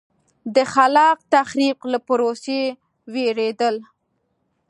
د خلاق تخریب له پروسې وېرېدل.